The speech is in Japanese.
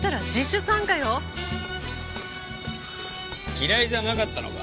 嫌いじゃなかったのか？